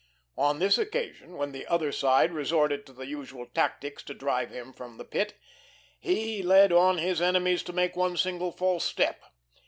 On this occasion, when the "other side" resorted to the usual tactics to drive him from the Pit, he led on his enemies to make one single false step.